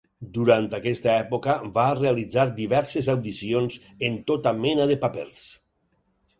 Durant aquesta època va realitzar diverses audicions en tota mena de papers.